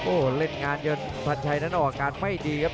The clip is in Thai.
โอ้โหเล่นงานจนพันชัยนั้นออกอาการไม่ดีครับ